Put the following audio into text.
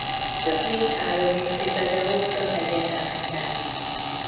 Több mint három évtizede oktat egyetemeken.